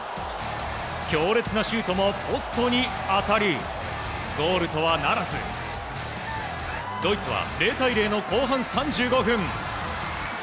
強烈なシュートもポストに当たりゴールとはならずドイツは０対０の後半３５分。